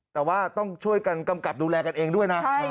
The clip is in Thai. แต่ว่าต้องช่วยกันกำกับดูแลกันเองด้วยนะ